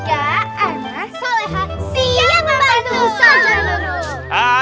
siap bapak ustazah